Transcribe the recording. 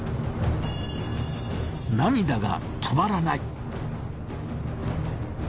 涙が止まらない。